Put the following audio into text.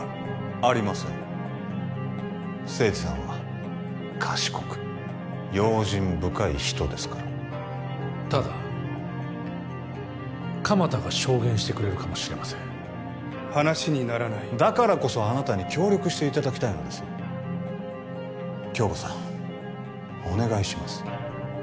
ありません清二さんは賢く用心深い人ですからただ鎌田が証言してくれるかもしれません話にならないだからこそあなたに協力していただきたいのです京吾さんお願いします